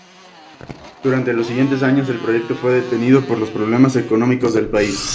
Durante los siguientes años el proyecto fue detenido por los problemas económicos del país.